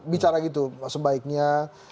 bicara gitu sebaiknya